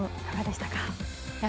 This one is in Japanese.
いかがでしたか。